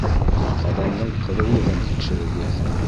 Ҡаҙандың ҡыҙыулығын тикшерегеҙ.